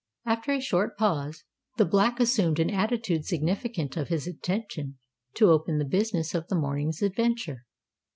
After a short pause, the Black assumed an attitude significant of his intention to open the business of the morning's adventure.